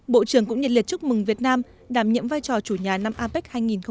bộ trưởng cũng nhật liệt chúc mừng việt nam đảm nhiệm vai trò chủ nhà năm apec hai nghìn một mươi bảy